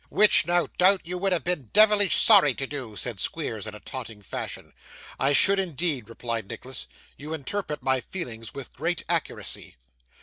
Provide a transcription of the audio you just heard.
'Which no doubt you would have been devilish sorry to do,' said Squeers in a taunting fashion. 'I should indeed,' replied Nicholas. 'You interpret my feelings with great accuracy.